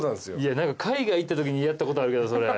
海外行ったときにやったことあるけどそれ。